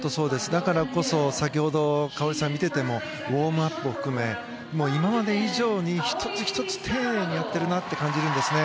だからこそ先ほど花織さんを見ていてもウォームアップを含め今まで以上に１つ１つ丁寧にやっているなと感じるんですよね。